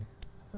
saya itu akan